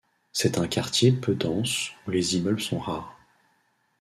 C'est un quartier peu dense où les immeubles sont rares.